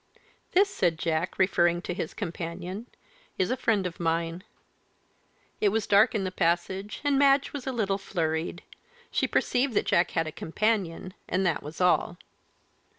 "This," said Jack, referring to his companion, "is a friend of mine." It was dark in the passage, and Madge was a little flurried. She perceived that Jack had a companion, and that was all.